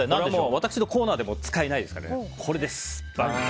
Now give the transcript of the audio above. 私のコーナーでもこれ、使えないですからね。